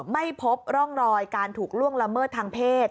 ไม่พบร่องรอยการถูกล่วงละเมิดทางเพศ